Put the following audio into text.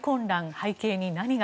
背景に何が？